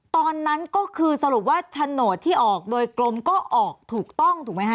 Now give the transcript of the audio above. ตอนนั้นก็คือสรุปว่าโฉนดที่ออกโดยกรมก็ออกถูกต้องถูกไหมฮ